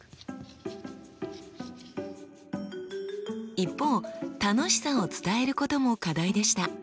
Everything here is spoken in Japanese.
一方楽しさを伝えることも課題でした。